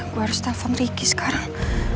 gue harus telpon ricky sekarang